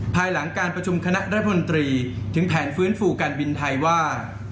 ภายหลังการประชุมคณะรัฐมนตรีถึงแผนฟื้นฟูการบินไทยว่า